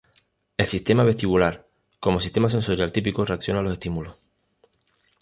El sistema vestibular como sistema sensorial típico reacciona a los estímulos.